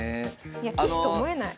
いや棋士と思えない。